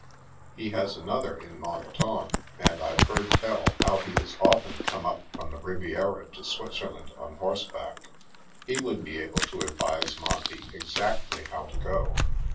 He has another in Mentone, and I've heard him tell how he has often come up from the Riviera to Switzerland on horseback. He would be able to advise Monty exactly how to go."